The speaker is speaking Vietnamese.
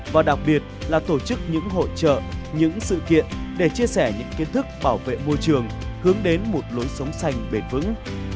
và đặc biệt là tổ chức những hội trợ những sự kiện để chia sẻ những kiến thức bảo vệ môi trường hướng đến một lối sống xanh bền vững